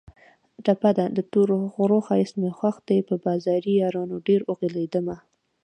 ټپه ده: د تورو غرو ښایست مې خوښ دی په بازاري یارانو ډېر اوغولېدمه